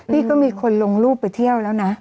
พี่ก็มีคนลงรูปไปเที่ยวแล้วนะ